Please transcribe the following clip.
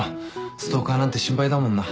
ストーカーなんて心配だもんな。